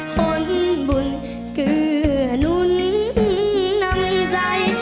ขนบุญเกลือนุ่นนำใจ